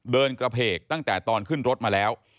เดินกระเพกตั้งแต่ตอนขึ้นรถมาแล้ว